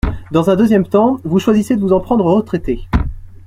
Dans un deuxième temps, vous choisissez de vous en prendre aux retraités.